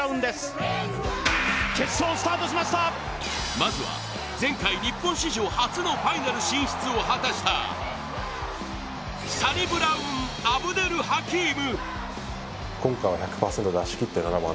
まずは前回日本史上初のファイナル進出を果たしたサニブラウンアブデルハキーム。